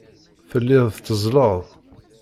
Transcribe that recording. Telliḍ tetteẓẓleḍ.